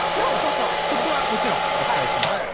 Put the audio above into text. コツはもちろんお伝えします。